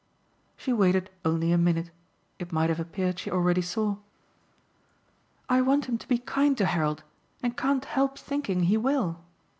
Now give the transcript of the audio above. She waited only a minute it might have appeared she already saw. "I want him to be kind to Harold and can't help thinking he will."